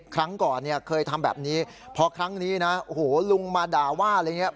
ครั้งก่อนเคยทำแบบนี้พอครั้งนี้ลุงมาด่าว่าอะไรอย่างนี้